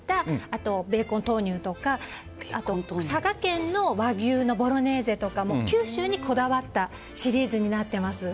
あと、ベーコン豆乳とか佐賀県の和牛のボロネーゼとか九州にこだわったシリーズになってます。